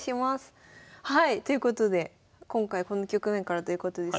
ということで今回この局面からということですけど。